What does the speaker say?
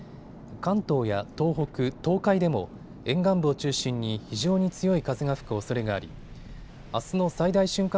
関東や東北、東海でも沿岸部を中心に非常に強い風が吹くおそれがありあすの最大瞬間